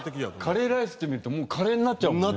カレーライスって見るともうカレーになっちゃうもんね。